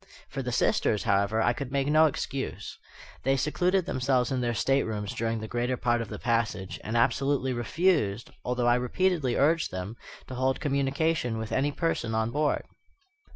For the sisters, however, I could make no excuse. They secluded themselves in their staterooms during the greater part of the passage, and absolutely refused, although I repeatedly urged them, to hold communication with any person on board.